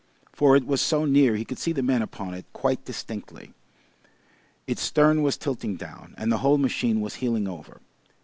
(For it was so near he could see the men upon it quite distinctly.) Its stern was tilting down, and the whole machine was heeling over.